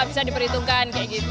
bisa diperhitungkan kayak gitu